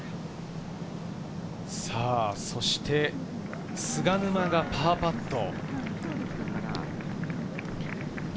そして菅沼がパーパット。